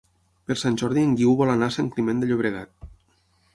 Per Sant Jordi en Guiu vol anar a Sant Climent de Llobregat.